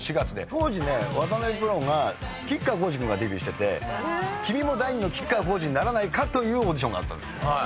当時ね渡辺プロが吉川晃司君がデビューしてて君も第２の吉川晃司にならないかというオーディションがあったんですよ。